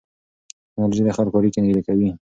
ټیکنالوژي د خلکو اړیکې نږدې کوي.